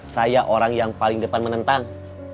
saya orang yang paling depan menentang